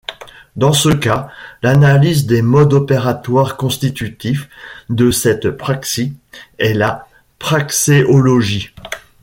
Dans ce cas, l'analyse des modes opératoires constitutifs de cette praxis est la praxéologie.